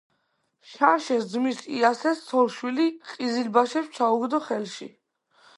შანშეს ძმის იასეს ცოლ-შვილი ყიზილბაშებს ჩაუგდო ხელში.